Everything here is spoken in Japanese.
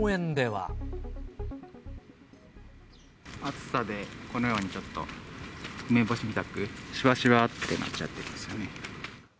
暑さでこのようにちょっと、梅干しみたく、しわしわってなっちゃってますよね。